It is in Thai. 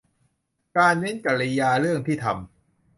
- การ เน้นกริยา เรื่องที่ทำ